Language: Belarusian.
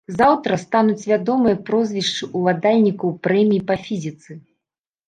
Заўтра стануць вядомыя прозвішчы ўладальнікаў прэміі па фізіцы.